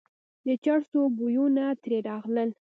د چرسو بویونه ترې راغلل.